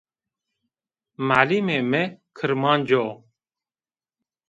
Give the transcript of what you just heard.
Malimê mi kirmanc o